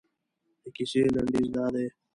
د کیسې لنډیز دادی.